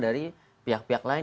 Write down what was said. dari pihak pihak lain